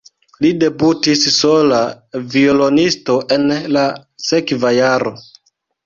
Li debutis sola violonisto en la sekva jaro.